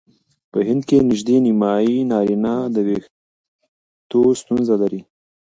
په هند کې نژدې نیمایي نارینه د وېښتو ستونزه لري.